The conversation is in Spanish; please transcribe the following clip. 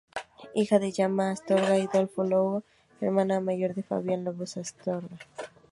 Hija de Yamna Astorga y Adolfo Lobos; hermana mayor de Fabián Lobos Astorga.